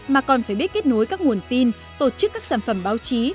mà còn phải biết kết nối các nguồn tin tổ chức các sản phẩm báo chí